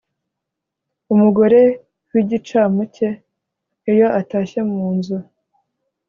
umugore w’igicamuke iyo atashye mu nzu,